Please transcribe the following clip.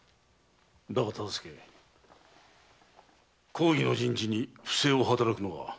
だが忠相公儀の人事に不正を働くのは。